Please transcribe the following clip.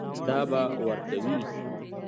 دا به ورکوې.